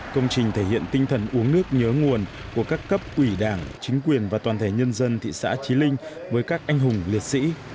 công trình thể hiện tinh thần uống nước nhớ nguồn của các cấp ủy đảng chính quyền và toàn thể nhân dân thị xã trí linh với các anh hùng liệt sĩ